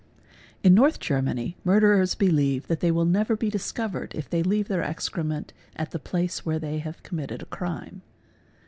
In North Germany murderers believe that they will never be dis Covered if they leave their excrement at the place where they have ): 384 SUPERSTITION committed a crime.